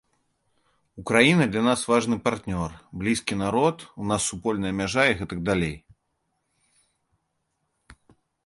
Украіна для нас важны партнёр, блізкі народ, у нас супольная мяжа і гэтак далей.